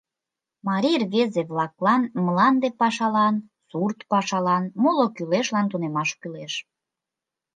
Марий рвезе-влаклан мланде пашалан, сурт пашалан, моло кӱлешлан тунемаш кӱлеш.